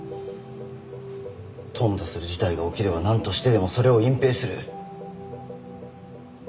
頓挫する事態が起きれば何としてでもそれを隠蔽する。